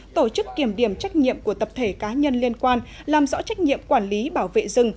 tổ chức kiểm điểm trách nhiệm của tập thể cá nhân liên quan làm rõ trách nhiệm quản lý bảo vệ rừng